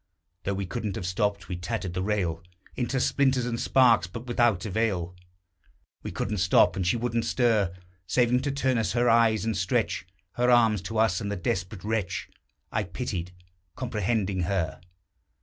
Though we couldn't have stopped. We tattered the rail Into splinters and sparks, but without avail. We couldn't stop; and she wouldn't stir, Saving to turn us her eyes, and stretch Her arms to us: and the desperate wretch I pitied, comprehending her.